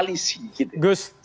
aliansi atau koalisi